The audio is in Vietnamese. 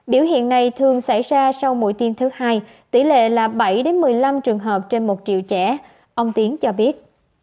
biểu hiện này thường xảy ra sau mỗi tiêm thứ hai tỷ lệ là bảy một mươi năm trường hợp trên một triệu trẻ ông tiến cho biết